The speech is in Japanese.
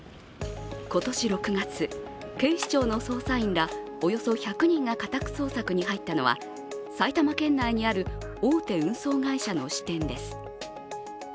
今年６月、警視庁の捜査員らおよそ１００人が家宅捜索に入ったのは埼玉県内にある大手運送会社の支店です。